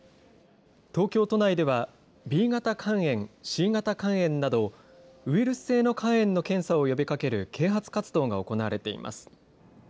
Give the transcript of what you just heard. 東京都内ではＢ型肝炎、Ｃ型肝炎など、ウイルス性の肝炎の検査を呼びかける啓発活動が行われています。